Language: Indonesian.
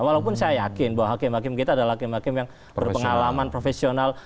walaupun saya yakin bahwa hakim hakim kita adalah hakim hakim yang berpengalaman profesional